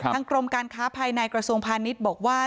ทางกรมการค้าภัยในกระสุนพาณิชย์บอกว่า